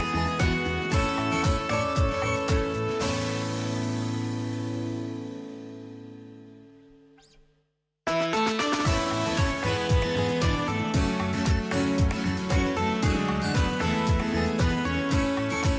สวัสดีครับพี่สิทธิ์มหันฯ